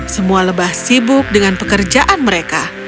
semua lebah sibuk dengan pekerjaan mereka